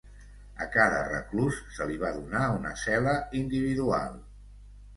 A cada reclús se li va donar una cel·la individual.